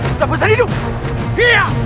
sudah besar hidup